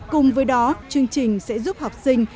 cùng với đó chương trình sẽ giúp học sinh